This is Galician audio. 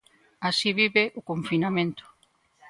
Así vive o confinamento.